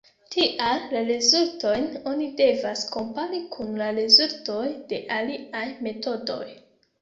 Tial la rezultojn oni devas kompari kun la rezultoj de aliaj metodoj.